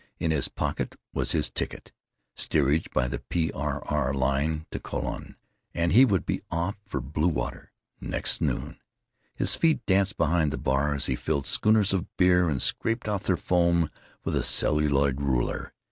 In his pocket was his ticket—steerage by the P. R. R. line to Colon—and he would be off for bluewater next noon. His feet danced behind the bar as he filled schooners of beer and scraped off their foam with a celluloid ruler.